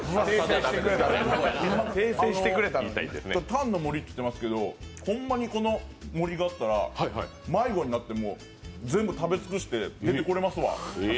タンの森って言ってますけど、ホンマにこの森があったら、迷子になっても全部食べ尽くして出てこれますわ。